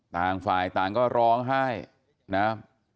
ต่างฝ่ายต่างก็ร้องไห้นะ